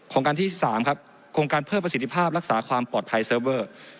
การที่๓ครับโครงการเพิ่มประสิทธิภาพรักษาความปลอดภัยเซิร์ฟเวอร์